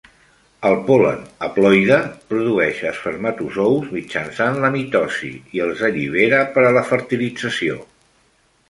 El pol·len haploide produeix espermatozous mitjançant la mitosi i els allibera per a la fertilització.